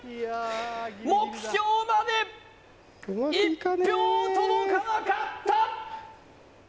目標まで１票届かなかった！